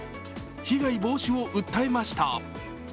被害防止を訴えました。